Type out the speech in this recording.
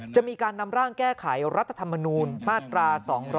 จะมีการนำร่างแก้ไขรัฐธรรมนูลมาตรา๒๗